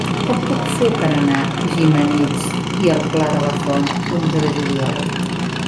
Com ho puc fer per anar a Gimenells i el Pla de la Font l'onze de juliol?